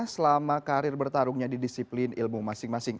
selama karir bertarungnya di disiplin ilmu masing masing